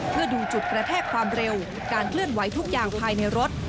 เพื่อดูจุดกระแทกความเร็วการเคลื่อนไหวทุกอย่างภายในรถ